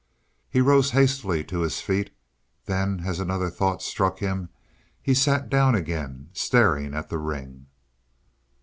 He rose hastily to his feet; then as another thought struck him, he sat down again, staring at the ring.